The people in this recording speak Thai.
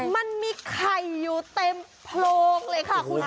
มันมีไข่อยู่เต็มโพรงเลยค่ะคุณ